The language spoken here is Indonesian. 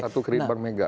kartu kredit bank mega